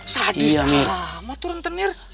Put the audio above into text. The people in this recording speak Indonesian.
sadis amat tuh rentenir